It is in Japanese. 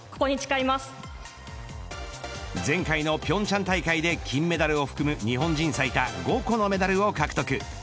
川除大輝が前回の平昌大会で金メダルを含む日本人最多５個のメダルを獲得。